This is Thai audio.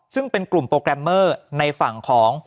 ซึ่งเป็นกลุ่มโปรแกรมเมอร์ในฝั่งของ